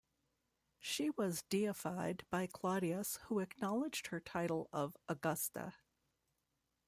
She was deified by Claudius who acknowledged her title of "Augusta".